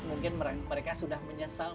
mungkin mereka sudah menyesal